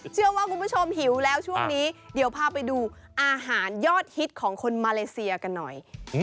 เชื่อว่าคุณผู้ชมหิวแล้วช่วงนี้เดี๋ยวพาไปดูอาหารยอดฮิตของคนมาเลเซียกันหน่อย